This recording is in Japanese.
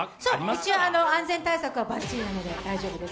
一応安全対策はバッチリなので、大丈夫です。